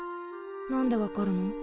何で分かるの？